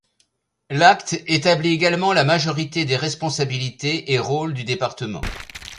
L'acte établit également la majorité des responsabilités et rôles du département.